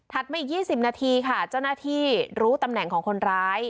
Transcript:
มาอีก๒๐นาทีค่ะเจ้าหน้าที่รู้ตำแหน่งของคนร้าย